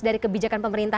dari kebijakan pemerintah